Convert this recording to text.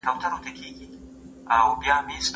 هغوی مخکې له دې چې مېلمانه راشي ټول خواړه چمتو کړي وو.